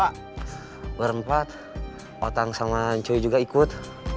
ya berempat otang sama cuy juga ikut